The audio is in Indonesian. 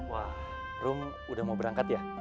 wah rum udah mau berangkat ya